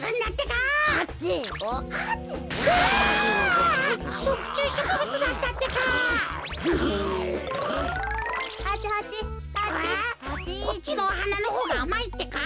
こっちのはなのほうがあまいってか？